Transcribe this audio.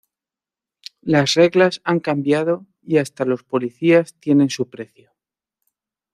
Las reglas han cambiado y hasta los policías tienen su precio.